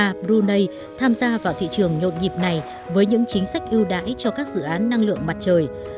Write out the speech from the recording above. và brunei tham gia vào thị trường nhộn nhịp này với những chính sách ưu đãi cho các dự án năng lượng mặt trời